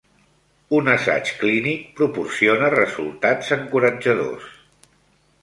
Un assaig clínic proporciona resultats encoratjadors.